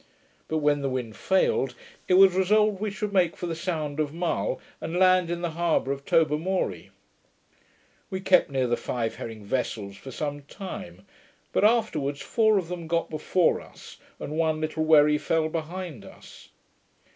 But when the wind failed, it was resolved we should make for the sound of Mull, and land in the harbour of Tobermorie. We kept near the five herring vessels for some time; but afterwards four of them got before us, and one little wherry fell behind us.